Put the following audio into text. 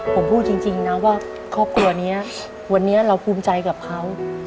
ผมพูดจริงนะว่าครอบครัวนี้วันนี้เราภูมิใจกับเขา